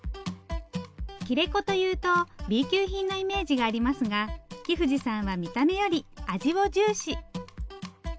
切れ子というとＢ級品のイメージがありますが木藤さんは見た目より味を重視。